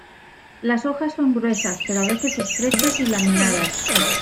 Las hojas son gruesas, pero a veces estrechas y laminadas.